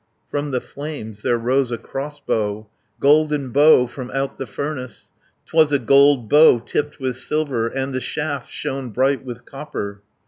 From the flames there rose a crossbow, Golden bow from out the furnace; 'Twas a gold bow tipped with silver, And the shaft shone bright with copper.